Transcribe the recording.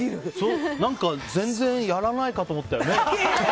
全然やらないかと思ったよね。